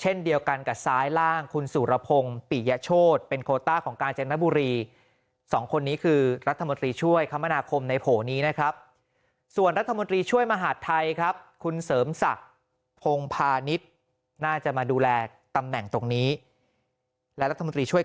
เช่นเดียวกันกับซ้ายล่างคุณสุรพงษ์ปิยโชฎเป็นโคต้าของการแจกนบุรี๒คนนี้คือรัฐมตรีช่วยคมนาคมในโผนี้นะครับส่วนรัฐมตรีช่วยมหาดไทยครับคุณเสริมศักดิ์พงษ์พาณิชย์น่าจะมาดูแลตำแหน่งตรงนี้และรัฐมตรีช่วย